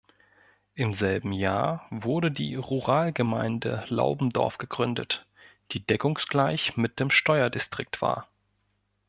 Im selben Jahr wurde die Ruralgemeinde Laubendorf gegründet, die deckungsgleich mit dem Steuerdistrikt war.